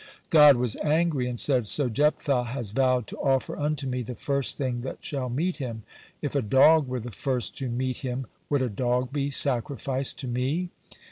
God was angry and said: "So Jephthah has vowed to offer unto me the first thing that shall meet him! If a dog were the first to meet him, would a dog be sacrificed to me?